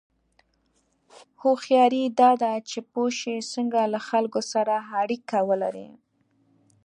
هوښیاري دا ده چې پوه شې څنګه له خلکو سره سمه اړیکه ولرې.